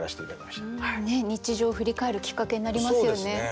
日常を振り返るきっかけになりますよね。